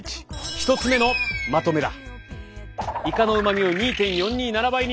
１つ目のまとめだ。